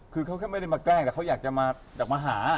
คือเขาแค่ไม่ได้มาแกล้งแต่เขาอยากจะมาหา